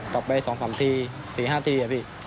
ต่อไปสองสามที่สี่ห้าที่อะพี่